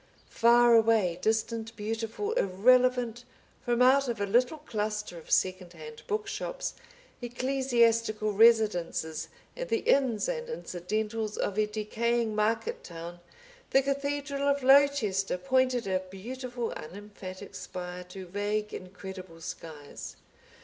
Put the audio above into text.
Far away, distant, beautiful, irrelevant, from out of a little cluster of secondhand bookshops, ecclesiastical residences, and the inns and incidentals of a decaying market town, the cathedral of Lowchester pointed a beautiful, unemphatic spire to vague incredible skies.